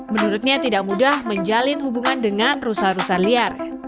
menurutnya tidak mudah menjalin hubungan dengan rusa rusa liar